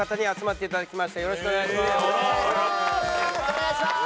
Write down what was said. お願いしまーす！